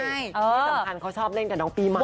ที่สำคัญเขาชอบเล่นกับน้องปีใหม่